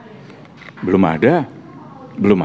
belum ada belum ada belum ada pertanggung jawaban hukumnya